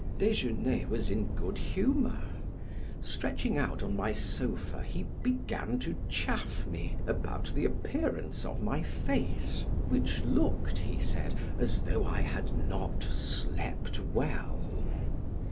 Desgenais was in good humor; stretching out on my sofa he began to chaff me about the appearance of my face which looked, he said, as though I had not slept well.